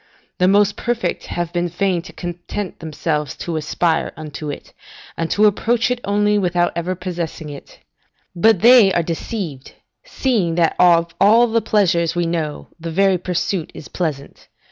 The most perfect have been fain to content themselves to aspire unto it, and to approach it only, without ever possessing it. But they are deceived, seeing that of all the pleasures we know, the very pursuit is pleasant.